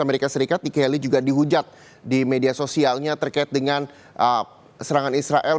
amerika serikat di kelley juga dihujat di media sosialnya terkait dengan serangan israel